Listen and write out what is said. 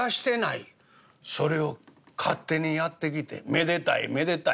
それを勝手にやって来て『めでたいめでたい』。